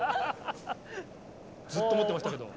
ずっと思ってましたけど。